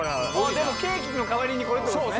でもケーキの代わりにこれって事ですね。